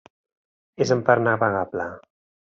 És en part navegable.